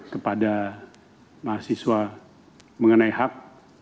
kepada mahasiswa mengenai hak